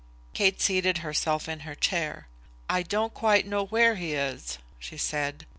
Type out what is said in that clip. Kate seated herself in her chair. "I don't quite know where he is," she said.